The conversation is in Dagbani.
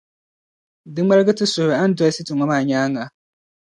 Di ŋmalgi ti suhiri A ni dolsi ti ŋɔ maa nyaaŋa.